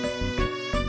saya sudah berjalan